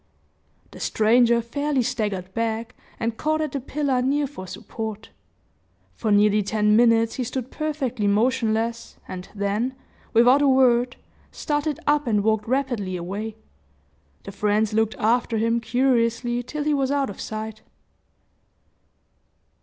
The stranger fairly staggered back, and caught at a pillar near for support. For nearly ten minutes, he stood perfectly motionless, and then, without a word, started up and walked rapidly away. The friends looked after him curiously till he was out of sight.